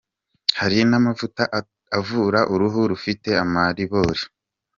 Hari n’amavuta avura uruhu rufite amaribori.